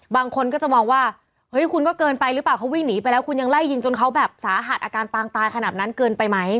บางคนก็จะมองว่าเฮ้ยคุณก็เกินไปหรือเปล่าเขาวิ่งหนีไปแล้วคุณยังไล่ยิงจนเขาแบบสาหัสอาการปางตายขนาดนั้นเกินไปไหม